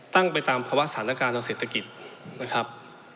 ตั้งไปตามภาวะสถานการณ์ทางเศรษฐกิจนะครับ